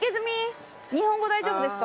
日本語大丈夫ですか？